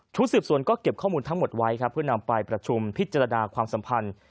สืบสวนก็เก็บข้อมูลทั้งหมดไว้ครับเพื่อนำไปประชุมพิจารณาความสัมพันธ์